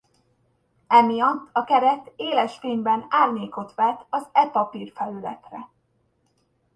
Emiatt a keret éles fényben árnyékot vet az e-papír felületre.